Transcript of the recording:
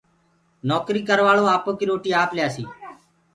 نوڪري ڪروآݪو آپو ڪيِ روٽيِ آپ ڪيآسي۔